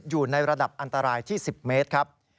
อยู่ในระดับอันตรายที่๑๐เมตรครับ